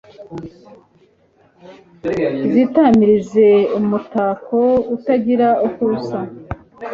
zitamirize umutako utagira uko usa